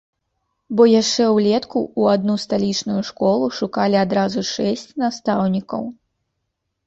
Бо яшчэ ўлетку ў адну сталічную школу шукалі адразу шэсць настаўнікаў.